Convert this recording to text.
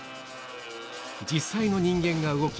実際の人間が動き、